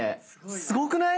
すごくない？